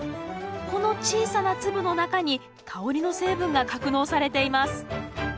この小さな粒の中に香りの成分が格納されています